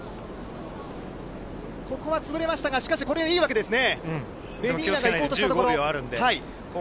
ここは潰れましたが、しかし、これでいいわけですね。